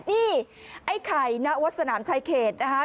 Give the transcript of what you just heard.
นี่ไอ้ไข่ณวัดสนามชายเขตนะคะ